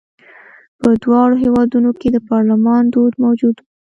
په دواړو هېوادونو کې د پارلمان دود موجود و.